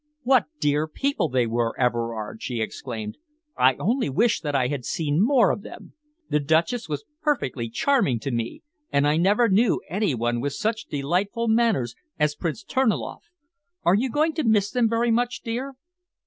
"What dear people they were, Everard!" she exclaimed. "I only wish that I had seen more of them. The Duchess was perfectly charming to me, and I never knew any one with such delightful manners as Prince Terniloff. Are you going to miss them very much, dear?"